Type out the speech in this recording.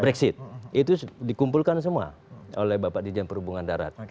brexit itu dikumpulkan semua oleh bapak dirjen perhubungan darat